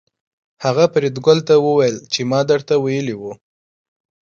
هغه فریدګل ته وویل چې ما درته ویلي وو